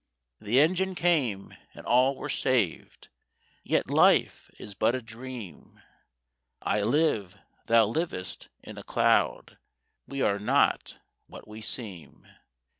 _' "The engine came, and all were saved— Yet life is but a Dream. I live—thou livest in a cloud: We are not what we seem.